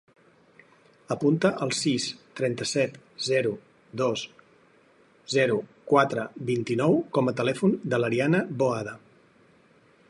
Apunta el sis, trenta-set, zero, dos, zero, quatre, vint-i-nou com a telèfon de l'Ariana Boada.